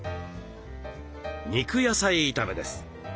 肉野菜炒めです。